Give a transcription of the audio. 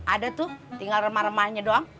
ada tuh tinggal remah remahnya doang